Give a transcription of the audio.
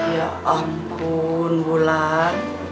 ya ampun bulan